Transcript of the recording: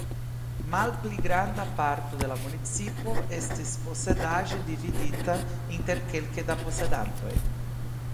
Malpli granda parto de la municipo estis posedaĵe dividita inter kelke da posedantoj.